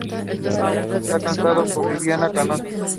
Está casado con Viviana Canosa.